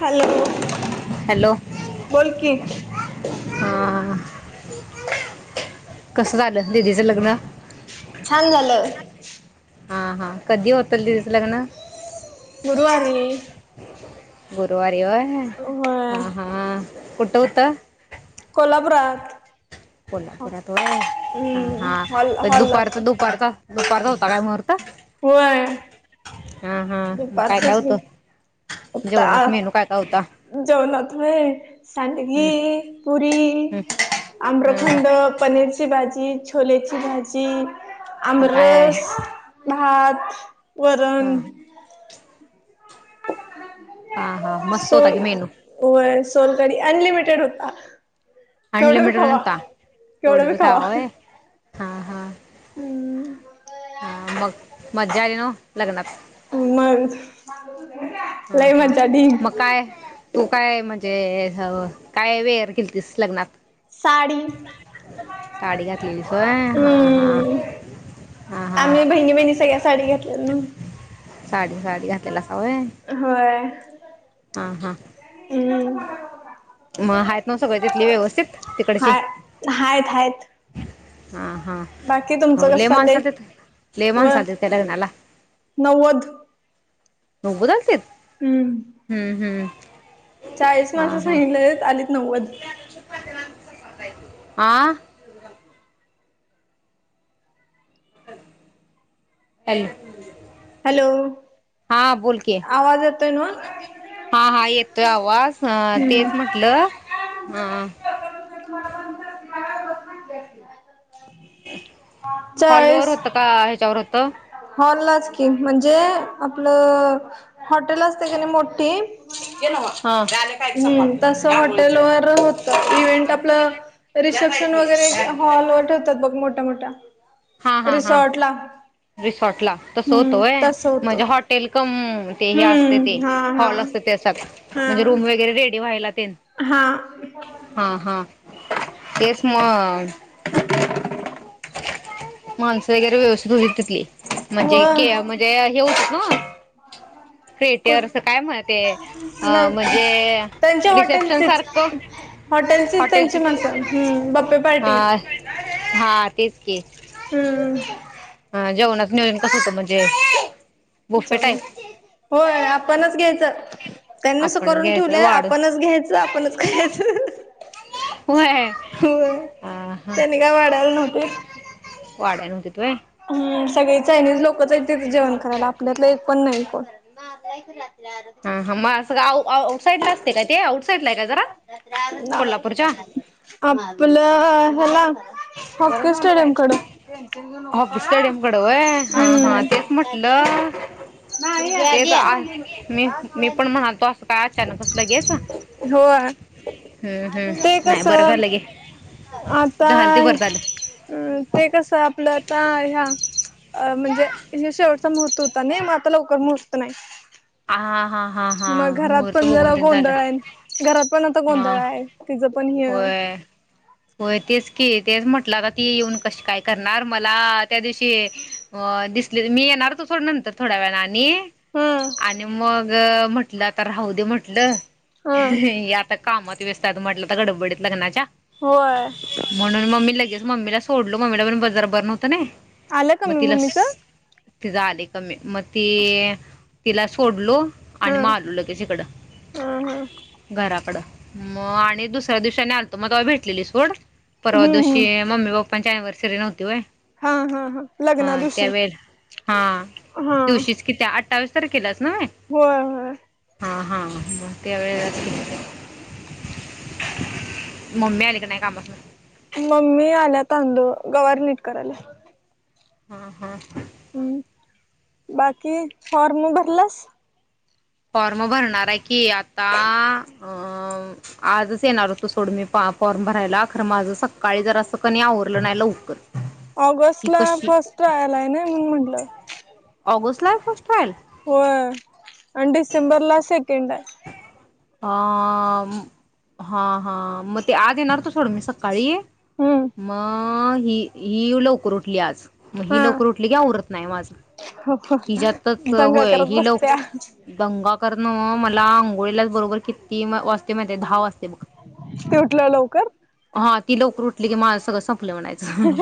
Hello hello बोल की कस झालं दिदीचं लग्न छान झालं हा हा कधी होत दिदिचं लग्न गुरवारी गुरुवारी हा हा कुठ होता कोल्हापुरात कोल्हापुरात व्हय हम्म हा हॉल हॉलला दुपारच होतो दुपारचा दुपारचा होता काय मुहूर्त होय हां हां मग काय काय दुपारचच होतं जेवणात घता मेनू काय काय होता जेवणत हं, सांडगी हं, पुरी आम्रखंड पनीरची भाजी ती छोलेची भाजी हां काय अमरस आत हां वरण [inaudible] मस्त सो होता की मेनू वयस सोलकडी अनलिमिटेड होता केवढं बी अनलिमिटेड खावा नव्हता केवढ बी खावा होय हां हां हम्म हां मग मज्जा आली नव्ह लग्नात मन हां हां मग काय तू काय म्हणजे काय वेअर केलतीस लग्नात साडी साडी घातलेलीस होय हा हा हम्म हा हा आम्ही बहिणी बहिणी सगळ्या साडी घेतल्या न साडी साडी घातलेलासा होय होय हा हा हम्म मग आहेत ना सगळे तिथली व्यवस्थित तिकडची? हाय हायत हायत हां हां बाकी हो तुमचं कसं लई माणसं चाललंय अलतीत लई व माणसं अलतीती का लग्नाला नव्वद नव्बोद अलतीत. हम्म हम्म हम्म चाळीस हा माणसं सांग हा सांगितलेलीत आलीत नव्वद. आ [unintelligible] एल हॅलो बोल की आवाज येतोय ना [unintelligible] हां हां येतोय आवाज. हां तेच म्हटलं हां [unintelligible] हॉलवर होत का ह्याच्यावर होत हॉल लाच की म्हणजे आपलं हॉटेलच ते असतय कणी मोठ ते ते नव्ह हा. झाले काय हम्म चपात तसं हे आंघोळीच हॉटेल आहे वर होत इव्हेंट आपलं त्यात आहे रिसेप्शन की वगैरे मॅग्नेट आहे हॉल खाली. वर ठेवतात बघ मोठ्या- मोठ्या [unintelligible] रिसॉर्ट ला रिसॉर्ट ला तस हम्म होतोय तस होत म्हणजे हॉटेल कम ते हे असते ते हम्म हा हा हॉल असते ते स हा म्हणजे रूम वगैरे रेडी वयला हा केस मा माणसं वगैरे व्यवस्थित होती तिथली म्हणजे हो के म्हणजे हे होत ना क्रट कुठ अस काय म्हणते नाही म्हणजे त्यांच्या रिसेप्शन हॉटेलचीच सारख हॉटेलचीच हॉटेल त्यांची माणसं हम्म बप्पे पार्टी आर्टिस्ट हा हम्म जेवणा नियोजन कसं होतं म्हणजे बुफपेटा जेवण आहे होय आपणच घ्यायचं त्यांनास आपणच करून घ्यायचं ठेवलंय वाढून आपणच घ्यायचं आपणच खायचं होय हो हा हा त्यांनी काय वाडायला नव्हते वाढ्या नवतीेतोय हम् सगळे चायनीज लोकच आहे त जेवण करायला आपल्यातलं एक पण नाही कोण हा हा मग सगळं आऊ आउटसाईडला असते काय ते आउटसाईडला आहे काय जरा कोल्हापूरच्या आप आपला हला हॉकी स्टाडीयम कड भेंकन स्टेडियम कडे वय हा हा तेच म्हटलं ते तर मी मी पण म्हणालतो असं काय अचानक कस लगेच होय हम्म ते हम्म नाही कस बरं झालं गे आता झालं ते बरं झालं ते कस आपलं आता ह्या म्हणजे शेवटचा महूर्त होता नाही मग आता लवकर मुहूर्त नाही हा हा हा मग घरात मुहूर्त पण जरा बघून तेन झालं गोंधळ आहे घरात पण हा गोंधळ आहे ति पण होय होय तेच क तेच म्हटलं आता ती येऊन कशी काय करणार मला त्या दिवशी दिसले मी येणार तू थोड नंतर थोड्या वेळा आणि हम्म आणि मग म्हंटलं आता राहू ते म्हटलं हा याता कामात वस्त आहयत म्हटलं गडबडीत लग्नाच्या होय म्हणून मी लग लगेच मम्मी सोडलो मम्मी पण ब जर बर नव्हतं नई आलं का मग मम्मीच तीज आलय कम म ती तिला सोडलो आणि मग हम्म आलू लगेच हिकड, हम्म हम्म. घरा मग आणि दुस ठरवा दिवशी आणि आलतो मग ते्हा भे घेतलेली सोड हम्म परवादिवशी हम्म मम्मी पप्पांची अनिव्हसरी नवती होय हा हा हा लग्ना दिवशी हा तर केला होय होय मग त्यावेळेलाच मम्मी आली काय नाहय कामसण मम्मी आल्या तांदू गवारी नीट कराल्या हा हा हम् बाकी फार्म भरलास फॉर्म भरणार आहे की आता अ आजच येणार होतो सोड मी फॉर्म भरायला खर माझं सकाळी जर असं कणी आवरलं नाही लवकर ऑगस्ट ही ला कशी फर्स्ट आलाय नाही मनुन म्हटलं [unintelligible] होय आणि डिसेंबर ला सेकंड आहय अ हा हा मग ते आज येणार होतो सोड मी सकाळी हम्म मग ही ही लवकर उठली आज मग ही हा. लवकर उठली की आवरत नाई माझं हिच्यातच दंगा होय करत ही लव बसत्या दंगा करत मग मला आंघोळीला बरोबर किती वाजते माहितेय ते दहा वाजतय बघ ती उठल्यावर लवकर. हा ती लवकर उठली की माझं सगळं सम म्हणायचं.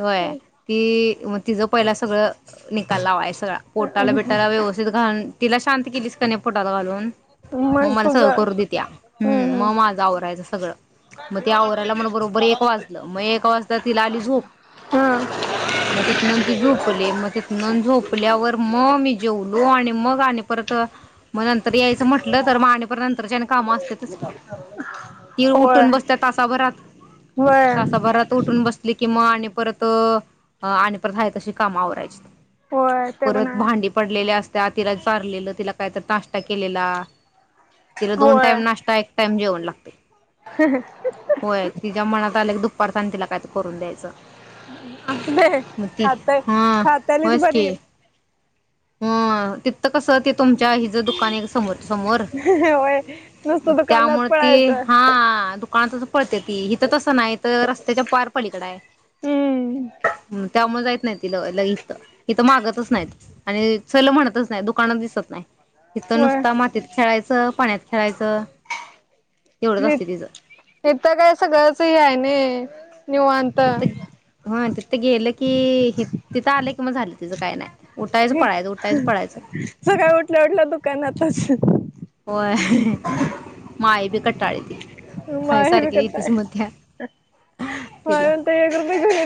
होय ति मग तिचं पहिला सगळं निकाल लावाय पोटाला बिटाला व्यवस्थित घालून तिला शांत केलीस कनी पोटला घालून, मग मला तुझ सगळं करू दित्या. हम हम्म हम्म मग माझा आवरायच सगळं. मग त्य आवरायला मला बरोबर एक वाजलं. मग एक वाजता तिला आली झोप, हा. मग तिथनं ती झोपली मग मग झोपल्यावर मग मी जेवलो आणि मग आणि परत मग नंतर यायचं म्हटलं तर मग आणि परत नंतरची आणि कामं असत्यातच की. ती होय उठून बसत्या तासाभरात, होय तासाभरात उठून बसली की मग आणि परत आणि परत हाय तशी कामं आवरायची. होय ते पण परत आहे भांडी पडलेले अस त्या तिला चारलेलं, तिला काय तर नाश्ता केलेला. तिला दोन होय टाइम नाश्ता एक टाइम जेवण लागतंय. होय तिच्या मनात आलं की दुपारचं आणि तिला काय तर करून द्यायचं. मग ती हां तीच बरी हा तिथं कसं ति तुमच्या हीज दुकान आहे समोर समोर, होय मग नुसतं दुकानात त्यामुळं ती पळायचं हां दुक दुकानातच पळत्या ती, हिथं तसं नाही इथं रस्त्याच्या पार पलीकड हाय. हम्म हम्म त्यामुळे जाय नाही तिला लय इथं इथं मागतच न्हाय आणि चल म्हणतच नाही दुकानच दिसत नाही. इथं होय नुसता मातीत खेळायचं, पाण्यात खेळायचं एवढंच असते तिचं इथं काय सगळंच हे हाय नाही तिथ हा तिथं गेलं की ही तिथं आलं की मग झालं तिचं काय नाय. हित सकाळी उठल्या उठल्या दुकानात. असं. होय. माय [inaudible] माय बी खायसारखी येतीच म्हणत्या कटाळी. माय तिला म्हणत्या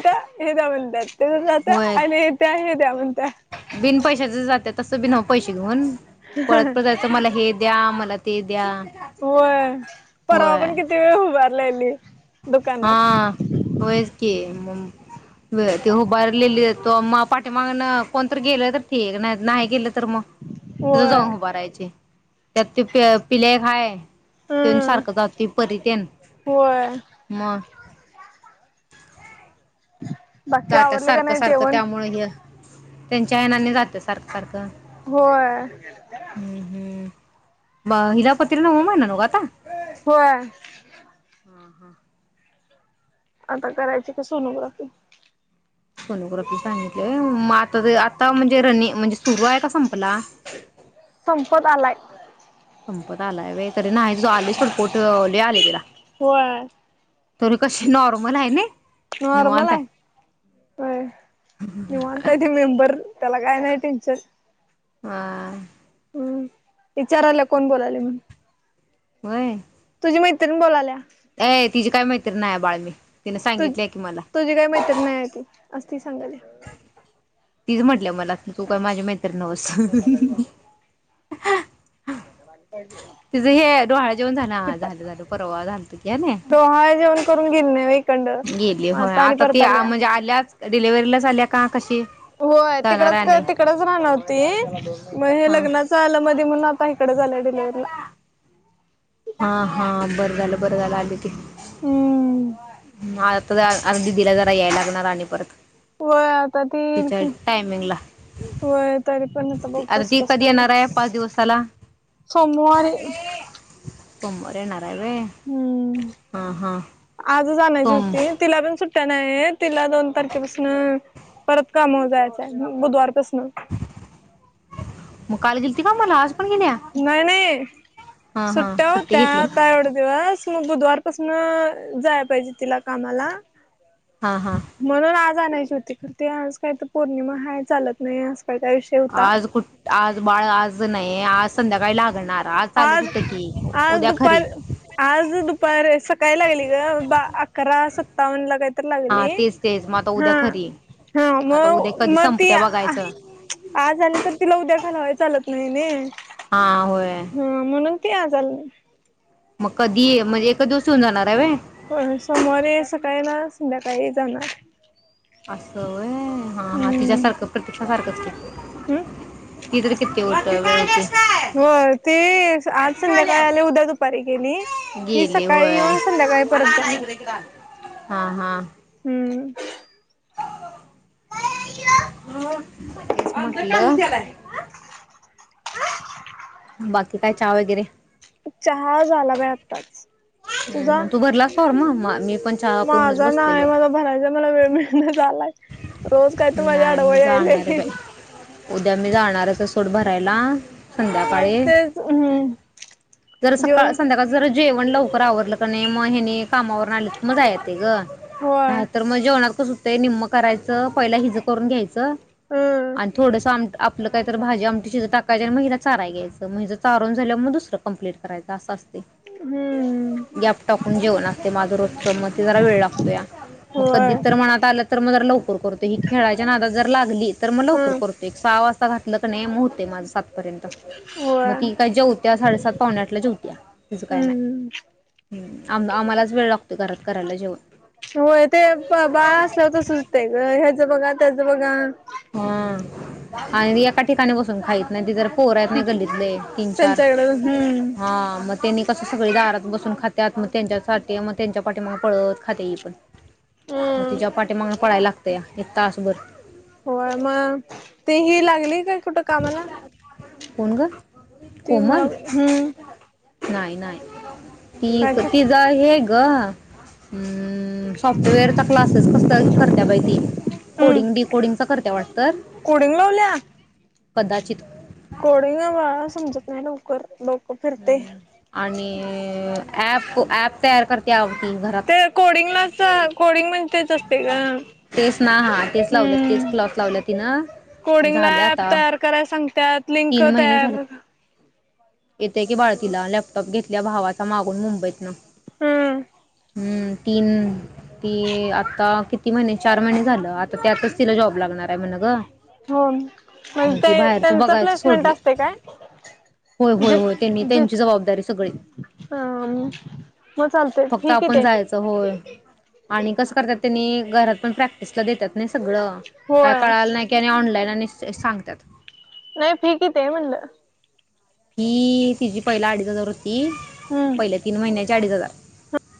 [unintelligible] का? येजा म्हणत्यात. तिकडं जात्या होय आणि येत्या हे द्या म्हणत्या. बिन पैशाच जात तसं बी नाव पैसे घेऊन पळत पतयचं मला हे द्या मला ला त द्या होय परावा होय पण किती वेळ उभारलाहिली हा होयच की मुं व ते उभारलेली तो पाठीेमागण कोणत गेलं तर ठीक नाही नाही गेलं तर मग तुझ होय जाऊन उभ राहायचे त्यात ते प पिलेय खाय तेन हम्म सारखं जातय परी तेन होय म बाकी गाता आवरले का सारखं नाही सारखं जेवण त्यामुळे हे त्यांच्या आऐनांनी जातं सारख सारखं होय हम्म हम्म ब हिरापत्री न होम आहे ना न का आता होय हा हा आता करायची की सोनोग्राफी सोनोग्राफी सांगितलेय मग आता ते आता म्हणजे रनि म्हणजे सुरू आहे का संपला संपद आलाय संपत आलाय वे तरी नाही तू आले थोड पोट ले आले तिला होय तरी कशी नॉर्मल आहे नी नॉर्मल आहेय व्हय निवांत हाय ते मेंबर त्याला काय नाही टेंचं हा हम्म विचारला कोन बोललाली म वय ती मैत्रीन बोलाल्या अ तिची काय मैत्रीन नाही बाळमी तु तुझी काही मैत्री नाही आहे ती असती सांगाली तीच म्हणटल्या मला ती पण माझ्या मैत्रीण न्हवस [inaudible] तिचं हे डोहाळ जेवन झाला, हा दीपाली झालं, झालं परवा झालत किनाय. डोहाळे जेवण करून गेली नाही व्हय इकडनं गेली मग हो आणि आता ती, परत आ आल्या म्हणजे आल्याच डिलेवरीलाच आल्यात. होय तिकडच क तिकडच राहणार होती. म हे हा लग्नाच आलं मधी म्हणून, आता हीकडंच आलंय डिलिवरीला हा हा बरं झालं, बरं झालं, आले ते. [unintelligible] तिला जरा याय लागणार, आणि परत. वय आता तिच्या तीयीलकी, टायमिंगला वय तरी पण आता बगु ती कसकस कधी येणार आहे पाच कायकाय दिवसाला सोमवारी. सोमवारी येणार. चाल रे हा हा ज आणायची सोम होती, तिला अजून सुट तनये तिला दोन तारखेपसनपरत काम वर जायचंय बुधवारपसन म काल गेलती का म्हणा आज पण गेल्या नाही, नाही हा हा सुट्ट्या सुट्टी होत्या घेतली आता एवढ दिवस. म बुधवारपासनं जाय पाहिजे, तिला कामाला. हा हा म्हणुन आज आनायची होती तर ते आज काही त पौर्णिमा हाय चालत नाही आज काय काय विषय होता. आज कुठ, आज बाळ आज नही आज संध्याकाळी लागणार. चालत आज होतं की आज उद्या खरी दुपार आज दुपार सकाळी लागली ग बा अकरा स त्तावन ला काहीत. हा तेच तेच मग आता हा उद्या खरी हा म आता उद्या कधी म ती संपत्या आ बघायचं आज आली तर तिला उद्या घालवाय. चालत नही न. हा हो! ह म्हणून ते आज [unintelligible] म कधी म्हणजे एक दिवसुऊन जाणार आहे व्हय. होय सोमवारी सकाळी येणार, संध्याकाळी जाणार. अस व्हय. ह हा हम्म तिच्यासारखं प्रतीक्षा सारख च की हम्म ती तर किती उत हो ते आज संध्याकाळी आले उद्या दुपारी गेली गे ही [unintelligible] ली सकाळी होय येऊन संध्याकाळी परत जाणार हां! हम्म [unintelligible] बाकी काय चहा वगैरे चहा झाला बाई आत्ताच तुझा तू भरलास फॉर्म मग म मी पण चहा पिऊनच माझा नाही बसलेलो मला भरायचा [unintelligible] झालाय रोज काय तू मी माझ्या नाही आडव मी जाणार आहे यायलय? बाई उद्या मी जाणारच हाय सोड भरायला मग संध्याकाळी तेच हम्म जर सकाळ जेवण संध्याकाळ जर जेवण लवकर आवरलं कनी म हेनी कामावरन आलीत की म जायाय येतय गं. होय नाही तर म जेवणा होतंय निम्म करायचं पहिला हीज करून घ्यायं, च हम्म आणि थोडस आमट आपलं काही तर भाजी आमटी शिजंत टाकायच आणि मला हिला चाराय घ्यायचं म हिज चारून झाल्या म्ह म दुसर कंप्लीट करायचं आसं असतय हम्म गॅप टाकून जेवण असतय माझं रोजच मग ते जरा वेळ लागतोया मग होय कधी तर मनात आलं तर मग जरा लवकर कर खेळाच्या नादाला जर लागली तर म लवकर हम्म करतोय एक साडे सहा वासता घातलं कनी म होतय माझ सात पर्यंत मग होय ती काही जेवत्या साडेसात पावणे आठला जेवत्या तिचं काय हम्म नाय आम आम्हालाच वेळ लागतो घरात करायला जेवन होय ते बाळ तेज बघा हा आणि एका ठिकाणी बसून खाहीत नाही ती ज पोर आहेत नी गल्लीत लई तीन चार त्यांच्याकडे हम्म हा मग तेनी कस सगळी दारात बसून खात्यात मग त्यांच्यासाठी मग त्यांच्या पाठी मग पळव खातीया ही पण. म हम्म तिच्या पाठी मागन पळायला लागत तय एक तासबर होय म ती ही लागली काय कुठं कामाला कोण गं? ती मला हुं नाही नाही ती करत तिज हे ग हू सॉफ्टवेअरचा क्लासेस कस करतिया बाई ती हम्म कोडिंग डीकोडिंगच करतिया वाटत कोडिंग लावल्या कदाचित कर लो हुं आणि ॲप को ॲप तयार करतिया ते कोडिंगला असं कोडिंग म्हणजे तेच असते ग तेच ना हा तेच लावले तेच हम्म क्लॉथ लावले ति ना झाले आता त्यात लिंक तीन महिने झाले तयार येते की बाळ तीला लॅपटॉप घेतल्या भावाचा मागून मुंबईत न हम् तीन ती आता कि ती महिने चार महिने झालं त्यातच तिला जॉब लागणार काय म्हणू ग हो मग ते ती बाहेरच त्यांचा बघायच प्लस मिन सोडली असते काय होय होय होय त्यांनी ज त्यांची जबाबदारी सगळी ह मग चालते फक्त ठीक आहे आपण ते जायचं होय. आणि कसं करतात त्यांनी घरात पण प्रॅक्टिसला देतात नाही सगळं काय होय कळाला नाही की आणि ऑनलाईन आणि सांगत्यात नाही फी किती ये म्हणलं ही तिझी पहिला अडीच हजार हम्म पहिले तीन महिन्याचे अडीच हजार